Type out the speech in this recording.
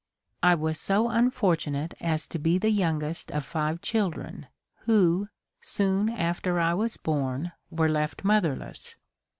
I was so unfortunate as to be the youngest of five children who, soon after I was born, were left motherless.